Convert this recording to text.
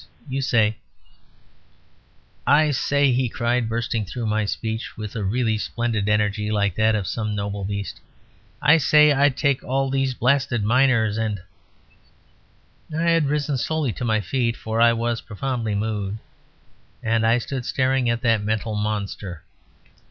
You say " "I say," he cried, bursting through my speech with a really splendid energy like that of some noble beast, "I say I'd take all these blasted miners and " I had risen slowly to my feet, for I was profoundly moved; and I stood staring at that mental monster.